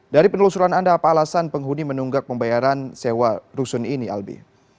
dari penelusuran anda apa alasan penghuni menunggak pembayaran sewa rusun ini albi